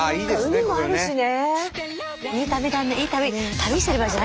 海もあるしね。